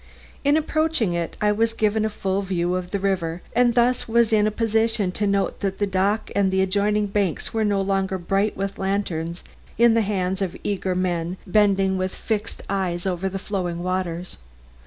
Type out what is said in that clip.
In approaching it I was given a full view of the river and thus was in a position to note that the dock and adjoining banks were no longer bright with lanterns in the hands of eager men bending with fixed eyes over the flowing waters.